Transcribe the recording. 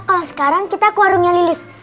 kalau sekarang kita ke warungnya lilis